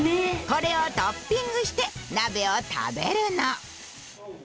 これをトッピングして鍋を食べるの。